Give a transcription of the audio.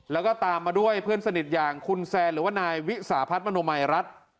แล้วก็ตามมาด้วยเพื่อนสนิทอย่างคุณแซนหรือว่านายวิสาพัฒน์มโนมัยรัฐ